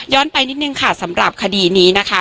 ไปนิดนึงค่ะสำหรับคดีนี้นะคะ